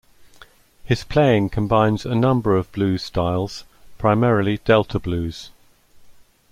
His playing combines a number of blues styles, primarily Delta blues.